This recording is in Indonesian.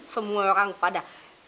semua orang pada